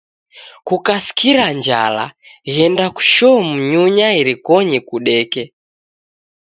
Kukaskira njala ghenda kushoo Munyunya irikonyi kudoke.